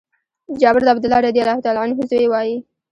جابر د عبدالله رضي الله عنه زوی وايي :